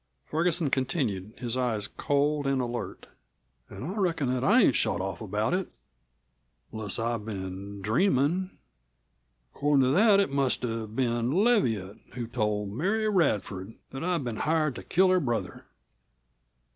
Ferguson continued, his eyes cold and alert. "An' I reckon that I ain't shot off about it unless I've been dreamin'. Accordin' to that it must have been Leviatt who told Mary Radford that I'd been hired to kill her brother."